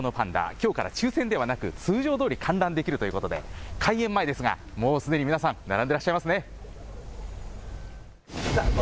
きょうから抽せんではなく通常どおり観覧できるということで開園前ですがもうすでに皆さん並んでいますね。